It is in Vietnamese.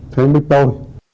thế mới tôi